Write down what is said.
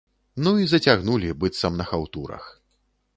Ну і зацягнулі, быццам на хаўтурах.